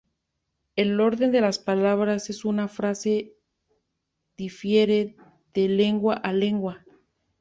El orden de las palabras en una frase difiere de lengua a lengua.